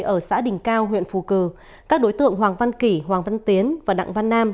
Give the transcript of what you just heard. ở xã đình cao huyện phù cử các đối tượng hoàng văn kỳ hoàng văn tiến và đặng văn nam